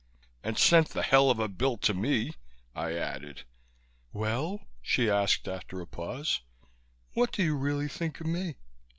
"And sent the hell of a bill to me," I added. "Well," she asked, after a pause. "What do you really think of me?"